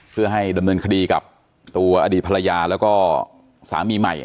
เพื่อให้ดำเนินคดีกับตัวอดีตภรรยาแล้วก็สามีใหม่